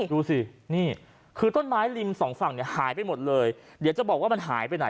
ดูสินี่คือต้นไม้ริมสองฝั่งเนี่ยหายไปหมดเลยเดี๋ยวจะบอกว่ามันหายไปไหน